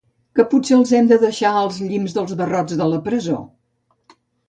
Que potser els hem de deixar als llimbs dels barrots de la presó?